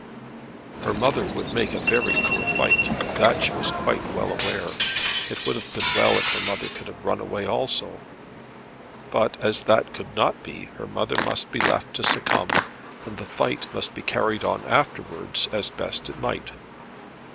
Her mother would make a very poor fight, of that she was quite well aware. It would have been well if her mother could have run away also. But, as that could not be, her mother must be left to succumb, and the fight must be carried on afterwards as best it might.